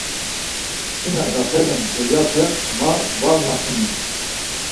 Si na gaxenen dulyape ma var maxenen.